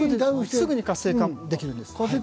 すぐに活性化できるんです。